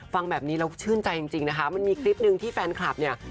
ฟังแบบนี้แล้วชื่นใจจริงนะคะมันมีคลิปหนึ่งที่แฟนคลับเนี่ย